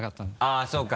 あっそうか。